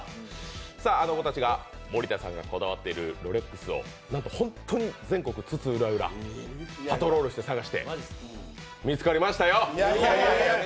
あの子たちが森田さんがこだわっているロレックスを本当に全国津々浦々パトロールして探して見つかりましたよ！